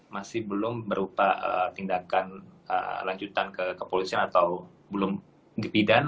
masih belum berupa tindakan lanjutan ke kepolisian